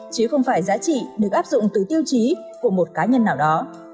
chứ không phải giá trị được áp dụng từ tiêu chí của một cá nhân nào đó